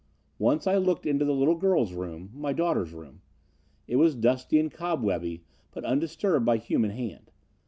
Once I looked into the little girl's room my daughter's room. It was dusty and cobwebby, but undisturbed by human hand.